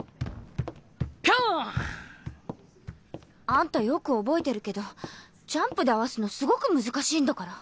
あんたよく覚えてるけどジャンプで合わすのすごく難しいんだから。